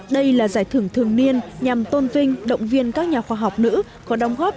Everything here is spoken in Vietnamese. đây là giải thưởng thường niên nhằm tôn vinh động viên các nhà khoa học nữ có đồng góp